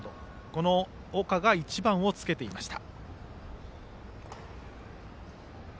この岡が１番をつけていました。